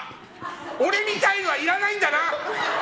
俺みたいなのはいらないんだな！